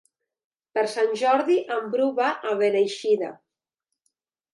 Per Sant Jordi en Bru va a Beneixida.